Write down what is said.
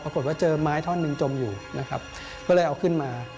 เจอไม้ท่อนหนึ่งจมอยู่นะครับก็เลยเอาขึ้นมา